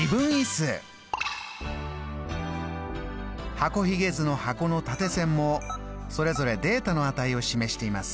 箱ひげ図の箱の縦線もそれぞれデータの値を示しています。